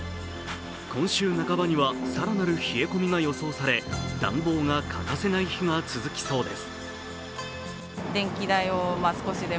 今週半ばには更なる冷え込みが予想され暖房が欠かせない日が続きそうです。